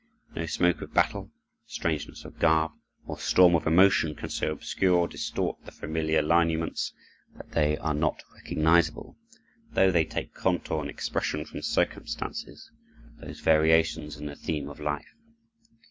No smoke of battle, strangeness of garb, or storm of emotion can so obscure or distort the familiar lineaments that they are not recognizable, though they take contour and expression from circumstances, those variations in the theme of life.